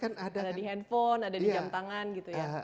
ada di handphone ada di jam tangan gitu ya